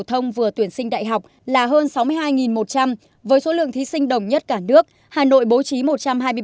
thông của tuyển sinh đại học là hơn sáu mươi hai một trăm linh với số lượng thí sinh đồng nhất cả nước hà nội bố trí